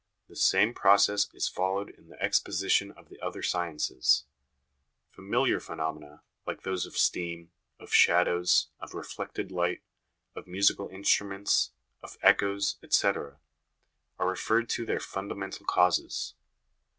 The same process is followed in the exposition of the other sciences. " Familiar phenomena, like those of steam, of 268 HOME EDUCATION shadows, of reflected light, of musical instruments, of echoes, etc., are referred to their fundamental causes.